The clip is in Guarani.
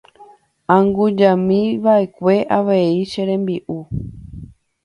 Angujami va'ekue avei che rembi'u.